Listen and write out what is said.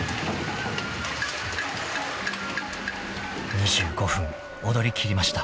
［２５分踊りきりました］